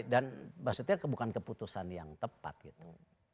dan maksudnya bukan keputusan yang tepat gitu